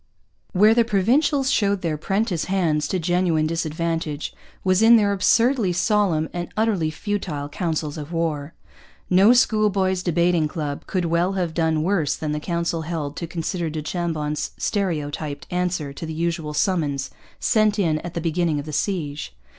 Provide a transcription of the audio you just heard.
Where the Provincials showed their 'prentice hands to genuine disadvantage was in their absurdly solemn and utterly futile councils of war. No schoolboys' debating club could well have done worse than the council held to consider du Chambon's stereotyped answer to the usual summons sent in at the beginning of a siege.